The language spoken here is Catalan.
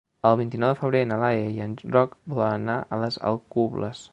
El vint-i-nou de febrer na Laia i en Roc volen anar a les Alcubles.